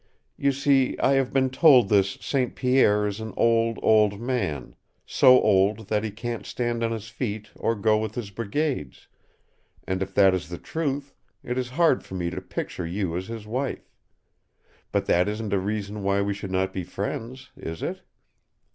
You see, I have been told this St. Pierre is an old, old man so old that he can't stand on his feet or go with his brigades, and if that is the truth, it is hard for me to picture you as his wife. But that isn't a reason why we should not be friends. Is it?"